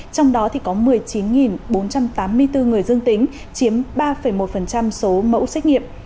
trong đó có một mươi chín bốn trăm tám mươi bốn người dương tính chiếm ba một số mẫu xét nghiệm